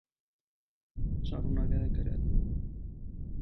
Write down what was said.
Շարունակել է գրել։